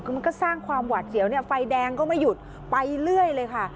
คือมันก็สร้างความหวาดเสียวเนี่ยไฟแดงก็ไม่หยุดไปเรื่อยเลยค่ะ